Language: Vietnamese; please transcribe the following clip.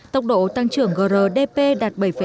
tốc độ tăng trưởng grdp đạt bảy hai